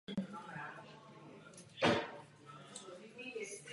V mladším období zde nalézáme časově první písemné památky na světě vůbec.